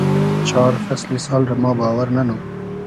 چار فئسلی سال رۂ ما باوئر نئنوم